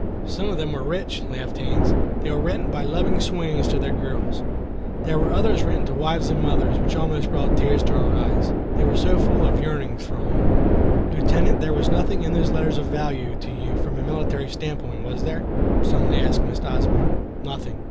"Some of them were rich," laughed Haines; "they were written by loving swains to their girls. There were others written to wives and mothers, which almost brought tears to our eyes, they were so full of yearnings for home." "Lieutenant, there was nothing in those letters of value to you from a military standpoint, was there?" suddenly asked Miss Osborne. "Nothing."